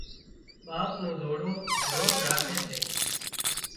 ٻاپ نُون زوڙون روڀ راکي سي